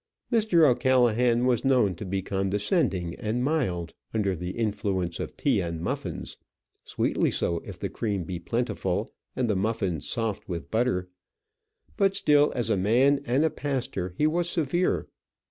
Mr. O'Callaghan was known to be condescending and mild under the influence of tea and muffins sweetly so if the cream be plentiful and the muffins soft with butter; but still, as a man and a pastor, he was severe.